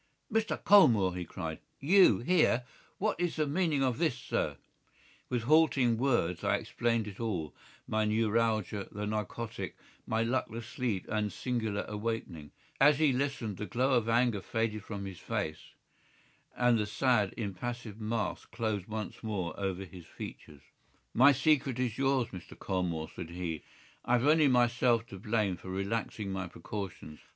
"Mr. Colmore!" he cried. "You here! What is the meaning of this, sir?" With halting words I explained it all, my neuralgia, the narcotic, my luckless sleep and singular awakening. As he listened the glow of anger faded from his face, and the sad, impassive mask closed once more over his features. "My secret is yours, Mr. Colmore," said he. "I have only myself to blame for relaxing my precautions.